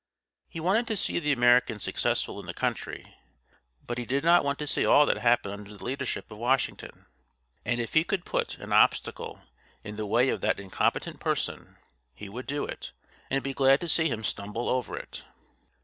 He wanted to see the Americans successful in the country, but he did not want to see all that happen under the leadership of Washington; and if he could put an obstacle in the way of that incompetent person, he would do it, and be glad to see him stumble over it.